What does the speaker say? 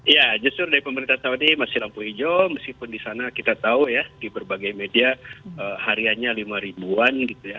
ya justru dari pemerintah saudi masih lampu hijau meskipun di sana kita tahu ya di berbagai media hariannya lima ribuan gitu ya